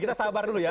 kita sabar dulu ya